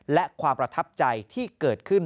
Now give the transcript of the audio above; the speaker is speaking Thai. และความประทับใจที่เกิดขึ้น